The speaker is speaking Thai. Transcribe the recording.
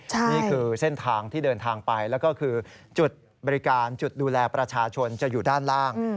นี่คือเส้นทางที่เดินทางไปแล้วก็คือจุดบริการจุดดูแลประชาชนจะอยู่ด้านล่าง